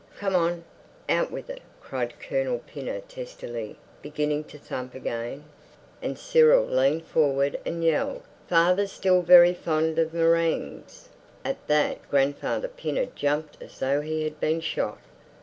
"Come on, out with it!" cried Colonel Pinner testily, beginning to thump again. And Cyril leaned forward and yelled, "Father's still very fond of meringues." At that Grandfather Pinner jumped as though he had been shot.